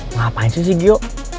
ngapain sih sih gio